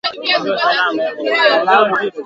utahitaji mafuta ya kupikia vikombe mbili